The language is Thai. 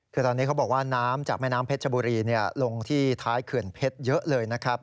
คือตอนนี้เขาบอกว่าน้ำจากแม่น้ำเพชรชบุรีลงที่ท้ายเขื่อนเพชรเยอะเลยนะครับ